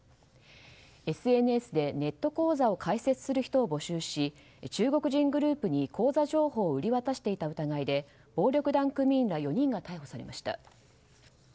ＳＮＳでネット口座を開設する人を募集し中国人グループに口座情報を売り渡していた疑いで暴力団組員ら４人が逮捕されました。